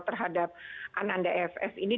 terhadap ananda efs ini